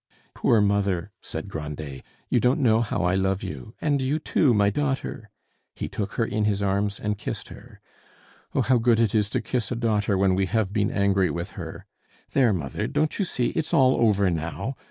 "Poor mother," said Grandet, "you don't know how I love you! and you too, my daughter!" He took her in his arms and kissed her. "Oh, how good it is to kiss a daughter when we have been angry with her! There, mother, don't you see it's all over now?